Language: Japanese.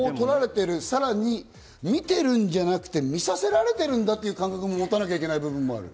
さらに見ているんじゃなくて、見させられているなという感覚も持たなきゃいけない部分もある。